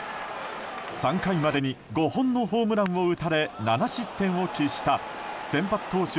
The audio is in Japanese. ３回までに５本のホームランを打たれ７失点を喫した先発投手